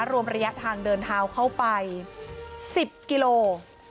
รวมระยะทางเดินทาวน์เข้าไป๑๐กิโลกรัม